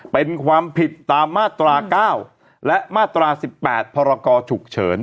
เป็นความผิดตามมาตรา๙และมาตรา๑๘พรกชุกเฉิน